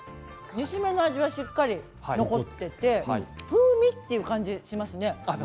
煮しめの味がしっかり残っていて風味という感じがしますね。